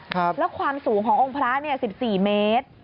แล้วความสูงขององค์พระ๑๔เมตร